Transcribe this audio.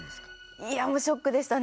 いやもうショックでしたね。